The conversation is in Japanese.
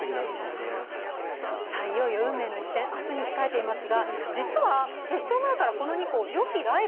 いよいよ運命の一戦、明日に控えています。